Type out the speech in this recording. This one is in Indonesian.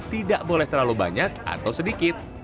tidak boleh terlalu banyak atau sedikit